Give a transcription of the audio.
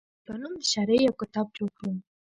پۀ نوم د شاعرۍ يو کتاب چاپ کړو،